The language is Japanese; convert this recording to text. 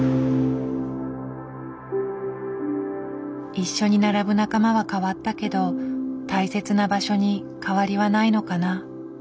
一緒に並ぶ仲間は変わったけど大切な場所に変わりはないのかな。